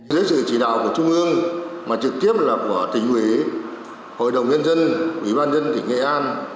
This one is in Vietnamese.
với sự chỉ đạo của trung ương mà trực tiếp là của tỉnh uỷ hội đồng nhân dân uỷ ban dân tỉnh nghệ an